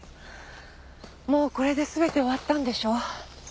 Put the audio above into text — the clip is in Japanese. もうこれで全て終わったんでしょ？